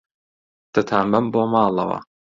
دەتانبەم بۆ ماڵەوە.